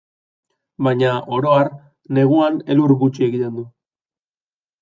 Baina, oro har, neguan elur gutxi egiten du.